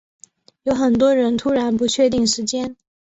有很多人突然不确定时间